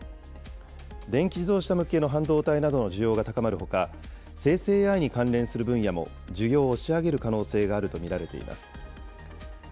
電気自動車向けの半導体などの需要が高まるほか、生成ＡＩに関連する分野も、需要を押し上げる可能性があると見られています。